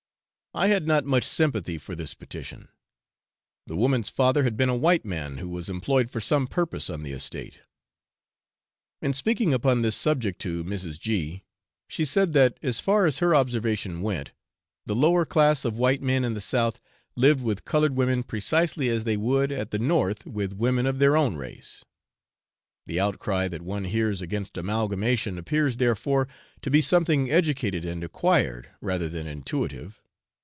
I had not much sympathy for this petition. The woman's father had been a white man who was employed for some purpose on the estate. In speaking upon this subject to Mrs. G , she said that, as far as her observation went, the lower class of white men in the south lived with coloured women precisely as they would at the north with women of their own race; the outcry that one hears against amalgamation appears therefore to be something educated and acquired, rather than intuitive.